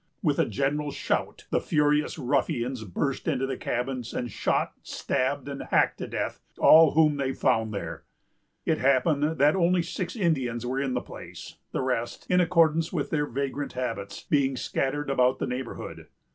With a general shout, the furious ruffians burst into the cabins, and shot, stabbed, and hacked to death all whom they found there. It happened that only six Indians were in the place; the rest, in accordance with their vagrant habits, being scattered about the neighborhood.